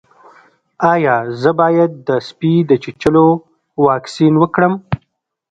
ایا زه باید د سپي د چیچلو واکسین وکړم؟